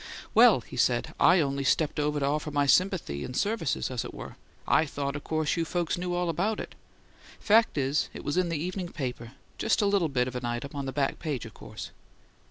"Well," he said, "I only stepped over to offer my sympathy and services, as it were. I thought of course you folks knew all about it. Fact is, it was in the evening paper just a little bit of an item on the back page, of course."